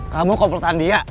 kamu komplotan dia